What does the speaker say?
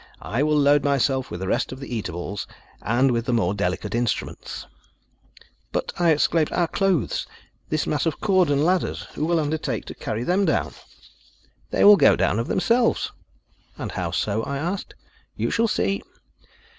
I will load myself with the rest of the eatables, and with the more delicate instruments." "But," I exclaimed, "our clothes, this mass of cord and ladders who will undertake to carry them down?" "They will go down of themselves." "And how so?" I asked. "You shall see."